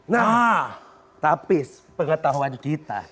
nah tapi pengetahuan kita